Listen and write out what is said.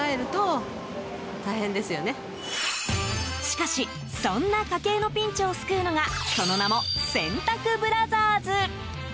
しかしそんな家計のピンチを救うのがその名も、洗濯ブラザーズ。